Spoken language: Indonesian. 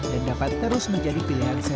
dan dapat terus mencari kepentingan yang berharga